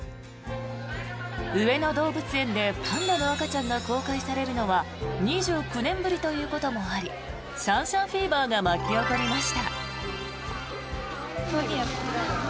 上野動物園でパンダの赤ちゃんが公開されるのは２９年ぶりということもありシャンシャンフィーバーが巻き起こりました。